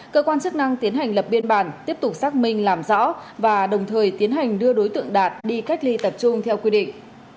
cơ quan chức năng tiến hành lập biên bản tiếp tục xác minh làm rõ và đồng thời tiến hành đưa đối tượng đạt đi cách ly tập trung theo quy định